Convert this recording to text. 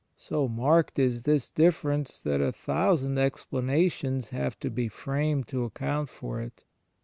So marked is this difference that a thousand explanations have to be framed to account for it.